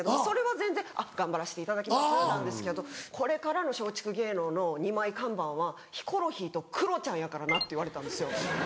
それは全然「頑張らしていただきます」なんですけど「これからの松竹芸能の二枚看板はヒコロヒーとクロちゃんやからな」って言われたんですよ。